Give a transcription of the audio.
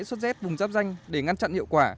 có z vùng giáp danh để ngăn chặn hiệu quả